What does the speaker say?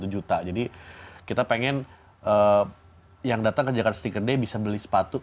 jadi kita pengen yang datang ke jakarta sneaker day bisa beli sepatu